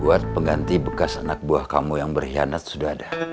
buat pengganti bekas anak buah kamu yang berkhianat sudah ada